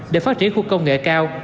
để phát triển khu công nghệ cao